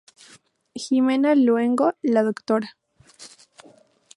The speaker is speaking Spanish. Ximena Luengo, la Dra.